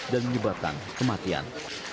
dan menyebabkan kematian